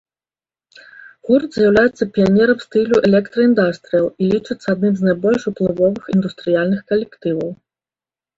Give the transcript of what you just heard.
Гурт з'яўляецца піянерам стылю электра-індастрыял і лічыцца адным з найбольш уплывовых індустрыяльных калектываў.